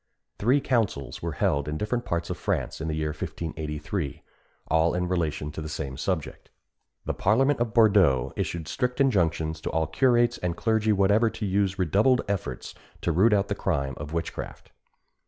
Three councils were held in different parts of France in the year 1583, all in relation to the same subject. The parliament of Bourdeaux issued strict injunctions to all curates and clergy whatever to use redoubled efforts to root out the crime of witchcraft.